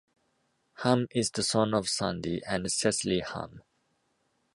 Hamm is the son of Sandy and Cecily Hamm.